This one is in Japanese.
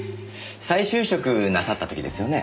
再就職なさった時ですよね。